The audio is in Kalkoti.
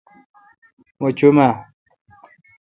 مہ چوم اؘ۔